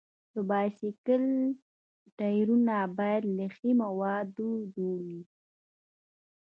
د بایسکل ټایرونه باید له ښي موادو جوړ وي.